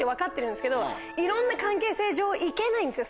いろんな関係性上行けないんですよ